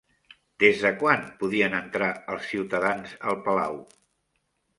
Des de quan podien entrar els ciutadans al Palau?